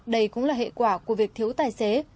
đây cũng là hệ quả của việc thiếu tài xế